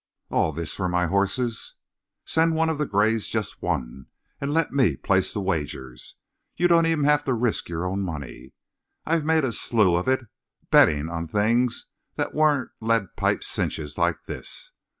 "All this for my horses?" "Send one of the grays just one, and let me place the wagers. You don't even have to risk your own money. I've made a slough of it betting on things that weren't lead pipe cinches like this.